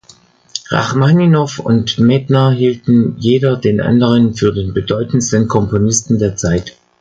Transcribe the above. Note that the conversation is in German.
Rachmaninow und Medtner hielten jeder den anderen für den bedeutendsten Komponisten der Zeit.